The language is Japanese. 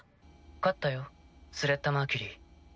勝ったよスレッタ・マーキュリー。